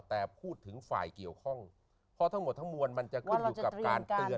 แต่พูดถึงฝ่ายเกี่ยวข้องเพราะทั้งหมดทั้งมวลมันจะขึ้นอยู่กับการเตือน